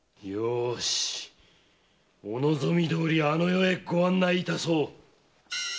ようしお望みどおりあの世へご案内いたそう。